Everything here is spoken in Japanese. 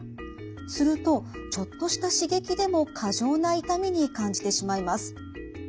するとちょっとした刺激でも過剰な痛みに感じてしまいます。